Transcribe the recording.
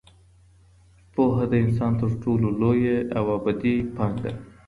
پوهه د انسان تر ټولو لویه او ابدي پانګه ده.